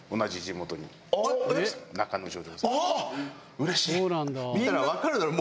うれしい。